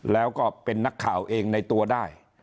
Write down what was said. แล้วก็เป็นนักข่าวเองในตัวได้